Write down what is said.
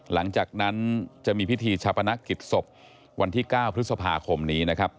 หลังจากนั้นจะมีพิธีชาปนกิจศพวันที่๙พฤษภาคมนี้นะครับ